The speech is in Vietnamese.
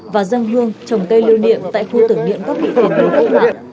và dân hương trồng cây lưu niệm tại khu tưởng điện các vị tỉnh bộ công an